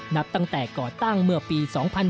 นับตั้งแต่ก่อตั้งเมื่อปี๒๕๔